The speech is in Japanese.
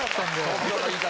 東京の言い方。